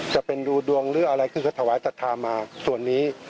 จะเป็นดวงเรื้ออะไรตรงที่ถ่ายตรัสธามาส่วนนี้